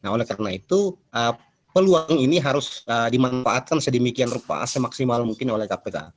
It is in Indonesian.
nah oleh karena itu peluang ini harus dimanfaatkan sedemikian rupa semaksimal mungkin oleh kpk